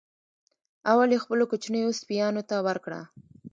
اول یې خپلو کوچنیو سپیانو ته ورکړه.